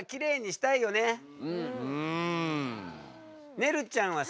ねるちゃんはさ